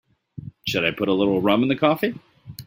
Shall I put a little rum in the coffee?